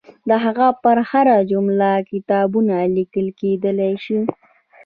د هغه پر هره جمله کتابونه لیکل کېدلای شي.